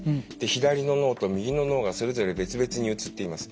左の脳と右の脳がそれぞれ別々に映っています。